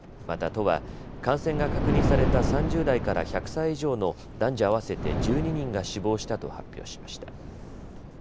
また都は感染が確認された３０代から１００歳以上の男女合わせて１２人が死亡したと発表しました。